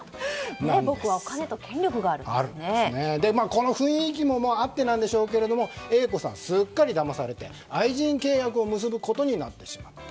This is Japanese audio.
この雰囲気もあってでしょうがＡ子さん、すっかりだまされて愛人契約を結ぶことになってしまった。